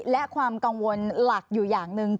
และความกังวลหลักอยู่อย่างหนึ่ง